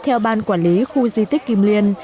theo ban quản lý khu di tích kim liên